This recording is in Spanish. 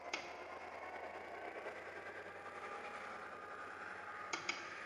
Los chicos huyen.